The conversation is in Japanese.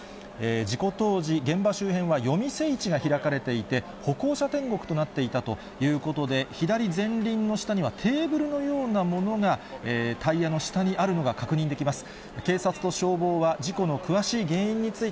事故当時、現場周辺は夜店市が開かれていて、歩行者天国となっていたということで、左前輪の下にはテーブルのようなものがタイヤの下にあるの速報でお伝えしました。